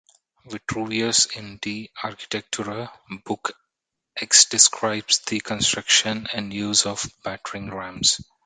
Vitruvius in "De Architectura "Book X describes the construction and use of battering rams.